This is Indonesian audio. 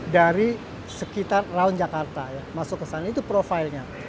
dari sekitar round jakarta ya masuk ke sana itu profilnya